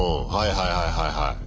はいはいはいはい。